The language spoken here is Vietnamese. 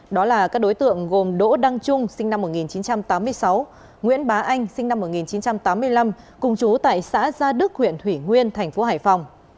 đó là các đối tượng gồm đỗ đăng trung sinh năm một nghìn chín trăm tám mươi sáu nguyễn bá anh sinh năm một nghìn chín trăm tám mươi năm cùng chú tại xã gia đức huyện thủy nguyên thành phố hải phòng